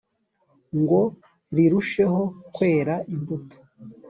ngo rirusheho kwera imbuto